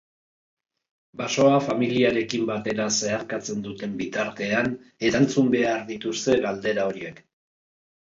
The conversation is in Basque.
Basoa familiarekin batera zeharkatzen duten bitartean erantzun behar dituzte galdera horiek.